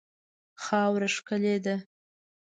خاوره ښکلې ده.